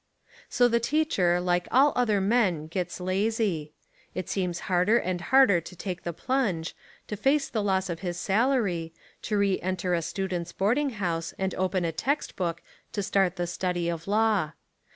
So the teacher, like all other men, gets lazy. It seems harder and harder to take the plunge, to face the loss of his salary, to re enter a stu dent's boarding house and open a text book to start the study of law.